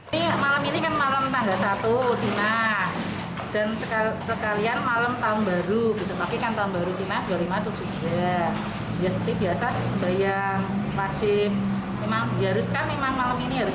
mana klentengnya seperti ini